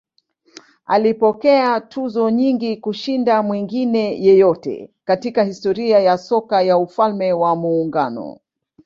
Alipokea tuzo nyingi kushinda mwingine yeyote katika historia ya soka ya Ufalme wa Muungano.